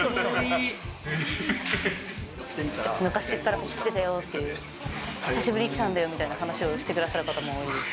昔から来てたよっていう、久しぶりに来たんだよみたいな話をしてくださる方も多い。